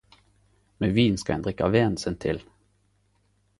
Med vin skal ein drikke venen sin til.